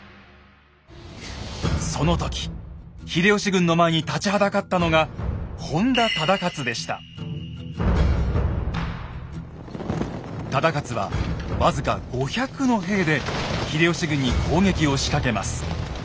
その時秀吉軍の前に立ちはだかったのが忠勝は僅か５００の兵で秀吉軍に攻撃を仕掛けます。